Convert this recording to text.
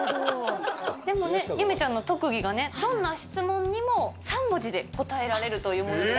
でもね、ゆめちゃんの特技がね、どんな質問にも３文字で答えられるというもので。